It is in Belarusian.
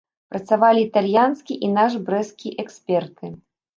Працавалі італьянскі і наш брэсцкі эксперты.